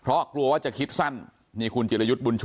เพราะไม่เคยถามลูกสาวนะว่าไปทำธุรกิจแบบไหนอะไรยังไง